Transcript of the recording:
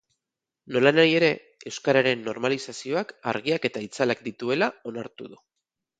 Nolanahi ere, euskararen normalizazioak argiak eta itzalak dituela onartu du.